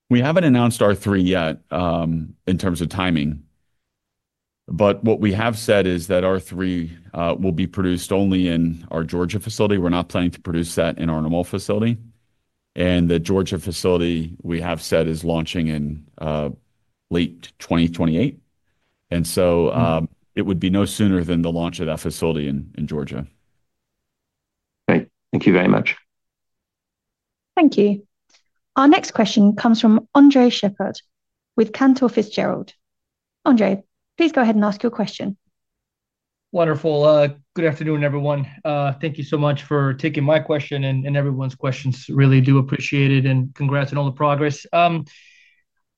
We haven't announced R3 yet in terms of timing, but what we have said is that R3 will be produced only in our Georgia facility. We're not planning to produce that in our Normal facility, and the Georgia facility, we have said, is launching in late 2028, and so it would be no sooner than the launch of that facility in Georgia. Great. Thank you very much. Thank you. Our next question comes from Andres Sheppard with Cantor Fitzgerald. Andres, please go ahead and ask your question. Wonderful. Good afternoon, everyone. Thank you so much for taking my question and everyone's questions. Really do appreciate it and congrats on all the progress.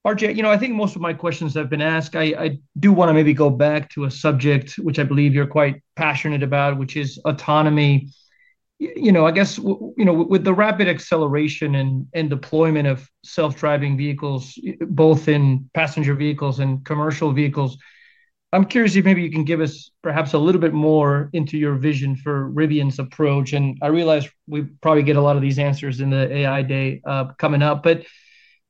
RJ, I think most of my questions have been asked. I do want to maybe go back to a subject which I believe you're quite passionate about, which is autonomy. I guess with the rapid acceleration and deployment of self-driving vehicles, both in passenger vehicles and commercial vehicles, I'm curious if maybe you can give us perhaps a little bit more into your vision for Rivian's approach. And I realize we probably get a lot of these answers in the AI Day coming up, but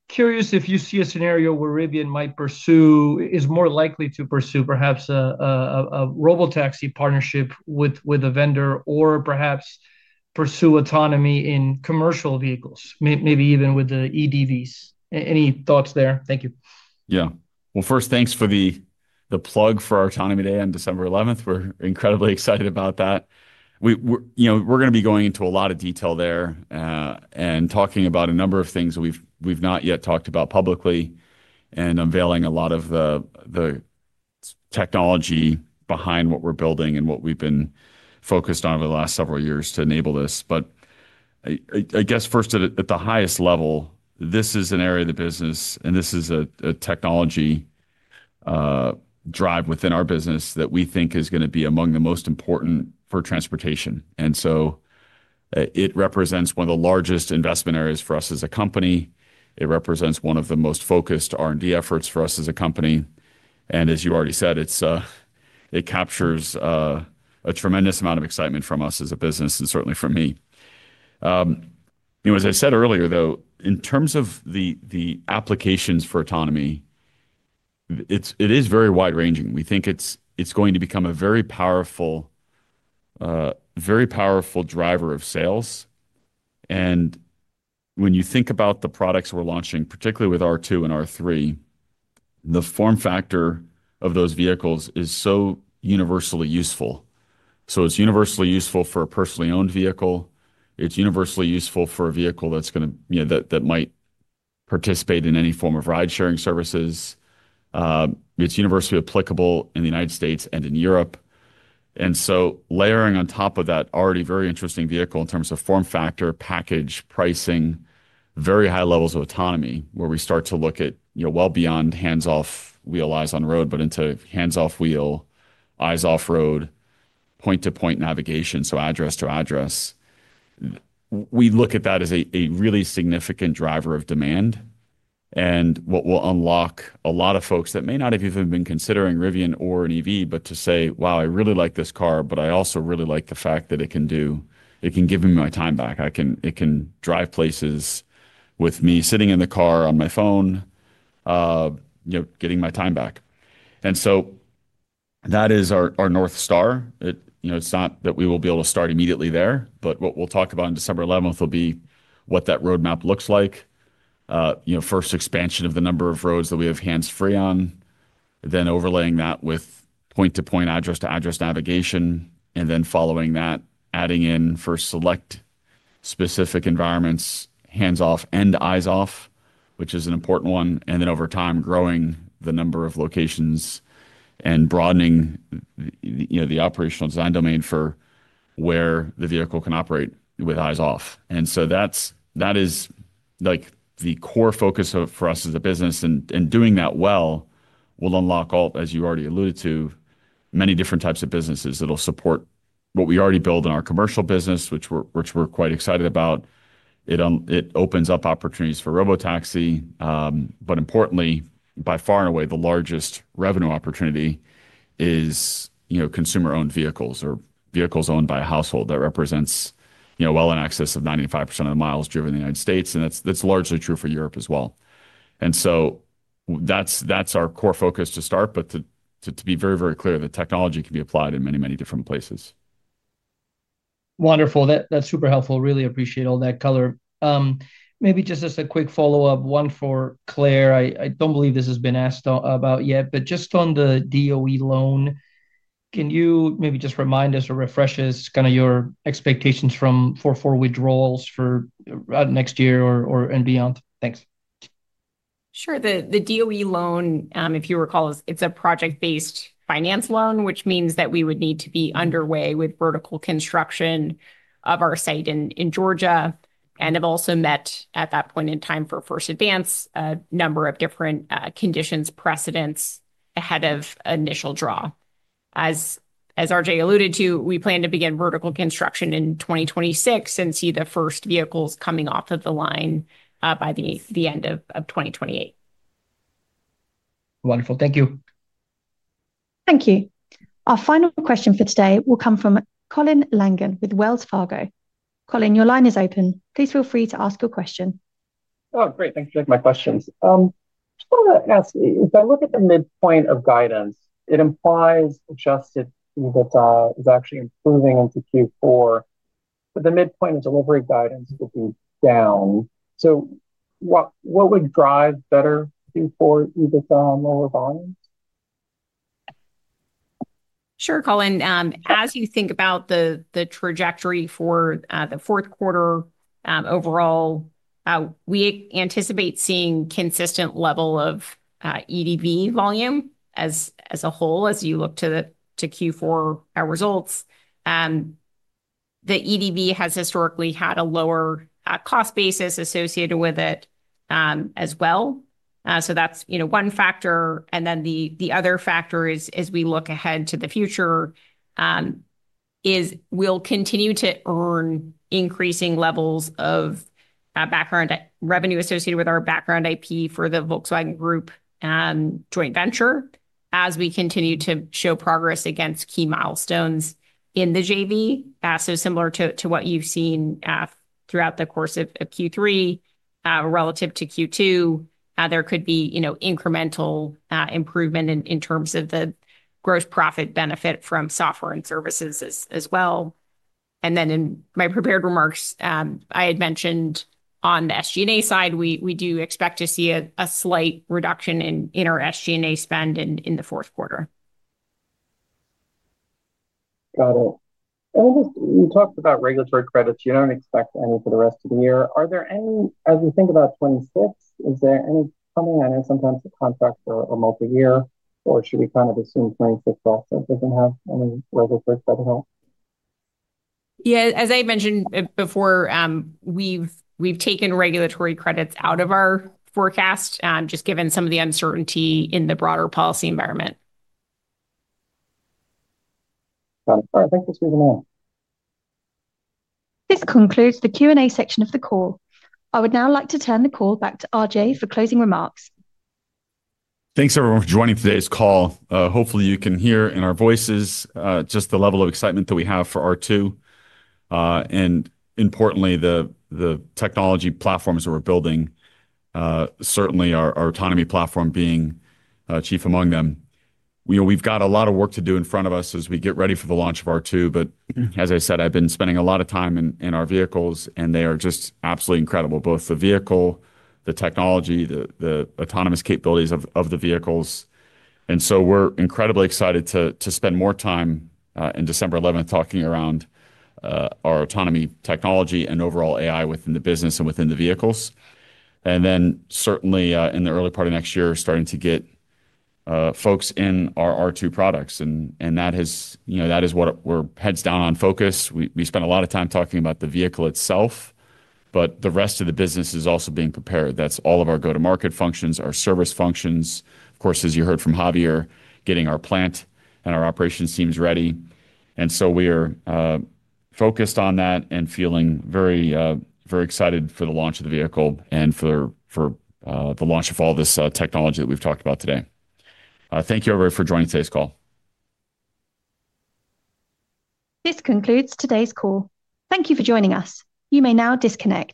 curious if you see a scenario where Rivian might pursue, is more likely to pursue perhaps a robotaxi partnership with a vendor or perhaps pursue autonomy in commercial vehicles, maybe even with the EDVs. Any thoughts there? Thank you. Yeah. Well, first, thanks for the plug for our autonomy day on December 11th. We're incredibly excited about that. We're going to be going into a lot of detail there, talking about a number of things we've not yet talked about publicly and unveiling a lot of the technology behind what we're building and what we've been focused on over the last several years to enable this. But I guess first at the highest level, this is an area of the business, and this is a technology drive within our business that we think is going to be among the most important for transportation. So it represents one of the largest investment areas for us as a company. It represents one of the most focused R&D efforts for us as a company. And as you already said, it captures a tremendous amount of excitement from us as a business and certainly from me. As I said earlier, though, in terms of the applications for autonomy, it is very wide-ranging. We think it's going to become a very powerful driver of sales. And when you think about the products we're launching, particularly with R2 and R3, the form factor of those vehicles is so universally useful. So it's universally useful for a personally owned vehicle. It's universally useful for a vehicle that's going to that might participate in any form of ride-sharing services. It's universally applicable in the United States and in Europe. So layering on top of that already very interesting vehicle in terms of form factor, package, pricing, very high levels of autonomy where we start to look at well beyond hands-off wheel eyes on road, but into hands-off wheel, eyes-off road, point-to-point navigation, so address to address. We look at that as a really significant driver of demand. And what will unlock a lot of folks that may not have even been considering Rivian or an EV, but to say, "Wow, I really like this car, but I also really like the fact that it can give me my time back. It can drive places with me sitting in the car on my phone. Getting my time back." So that is our North Star. It's not that we will be able to start immediately there, but what we'll talk about on December 11th will be what that roadmap looks like. First expansion of the number of roads that we have hands-free on. Then overlaying that with point-to-point, address-to-address navigation, and then following that, adding in for select specific environments, hands-off and eyes-off, which is an important one, and then over time growing the number of locations and broadening the operational design domain for where the vehicle can operate with eyes-off. So that is the core focus for us as a business. And doing that well will unlock, as you already alluded to, many different types of businesses that will support what we already build in our commercial business, which we're quite excited about. It opens up opportunities for robotaxi, but importantly, by far and away, the largest revenue opportunity is consumer-owned vehicles or vehicles owned by a household that represents well in excess of 95% of the miles driven in the United States, and that's largely true for Europe as well. So that's our core focus to start, but to be very, very clear that technology can be applied in many, many different places. Wonderful. That's super helpful. Really appreciate all that color. Maybe just as a quick follow-up, one for Claire. I don't believe this has been asked about yet, but just on the DOE loan, can you maybe just remind us or refresh us kind of your expectations from the four withdrawals for next year and beyond? Thanks. Sure. The DOE loan, if you recall, it's a project-based finance loan, which means that we would need to be underway with vertical construction of our site in Georgia and have also met at that point in time for first advance a number of different conditions precedent ahead of initial draw. As RJ alluded to, we plan to begin vertical construction in 2026 and see the first vehicles coming off of the line by the end of 2028. Wonderful. Thank you. Thank you. Our final question for today will come from Colin Langan with Wells Fargo. Colin, your line is open. Please feel free to ask your question. Oh, great. Thanks for taking my questions. I just wanted to ask, if I look at the midpoint of guidance, it implies just that EBITDA is actually improving into Q4, but the midpoint of delivery guidance will be down. So. What would drive better Q4 EBITDA on lower volumes? Sure, Colin. As you think about the trajectory for the fourth quarter overall, we anticipate seeing a consistent level of EDV volume as a whole as you look to Q4 results. The EDV has historically had a lower cost basis associated with it as well. So that's one factor. And then the other factor is, as we look ahead to the future, we'll continue to earn increasing levels of revenue associated with our background IP for the Volkswagen Group joint venture as we continue to show progress against key milestones in the JV. So similar to what you've seen throughout the course of Q3, relative to Q2, there could be incremental improvement in terms of the gross profit benefit from software and services as well. And then in my prepared remarks, I had mentioned on the SG&A side, we do expect to see a slight reduction in our SG&A spend in the fourth quarter. Got it. And we talked about regulatory credits. You don't expect any for the rest of the year. Are there any, as we think about 2026, is there any funding? I know sometimes the contracts are multi-year, or should we kind of assume 2026 also doesn't have any regulatory credit at all? Yeah. As I mentioned before, we've taken regulatory credits out of our forecast just given some of the uncertainty in the broader policy environment. Got it. All right. Thank you. This concludes the Q&A section of the call. I would now like to turn the call back to RJ for closing remarks. Thanks everyone for joining today's call. Hopefully, you can hear in our voices just the level of excitement that we have for R2. And importantly, the technology platforms that we're building, certainly our autonomy platform being chief among them. We've got a lot of work to do in front of us as we get ready for the launch of R2, but as I said, I've been spending a lot of time in our vehicles, and they are just absolutely incredible, both the vehicle, the technology, the autonomous capabilities of the vehicles. And so we're incredibly excited to spend more time in December 11th talking around our autonomy technology and overall AI within the business and within the vehicles. And then certainly in the early part of next year, starting to get folks in our R2 products. And that is what we're heads down on focus. We spent a lot of time talking about the vehicle itself, but the rest of the business is also being prepared. That's all of our go-to-market functions, our service functions. Of course, as you heard from Javier, getting our plant and our operations teams ready. And so we are focused on that and feeling very excited for the launch of the vehicle and for the launch of all this technology that we've talked about today. Thank you everybody for joining today's call. This concludes today's call. Thank you for joining us. You may now disconnect.